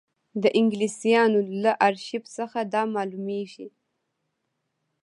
د انګلیسیانو له ارشیف څخه دا معلومېږي.